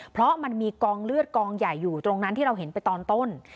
เพราะมันมีกองเลือดกองใหญ่อยู่ตรงนั้นที่เราเห็นไปตอนต้น